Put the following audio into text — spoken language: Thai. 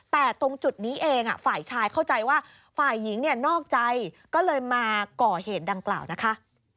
แต่ตรงจุดนี้เองฝ่ายชายเข้าใจว่าฝ่ายหญิงเนี่ยนอกใจก็เลยมาก่อเหตุดังกล่าวนะคะ